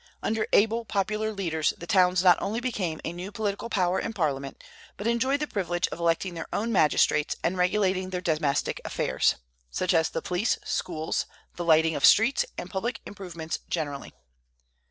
Under able popular leaders, the towns not only became a new political power in Parliament, but enjoyed the privilege of electing their own magistrates and regulating their domestic affairs, such as the police, schools, the lighting of streets, and public improvements generally.